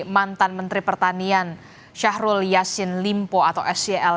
mantan menteri pertanian syahrul yassin limpo atau sel